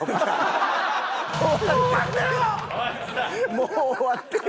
「もう終わってよ」。